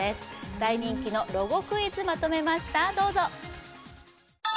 大人気のロゴクイズまとめました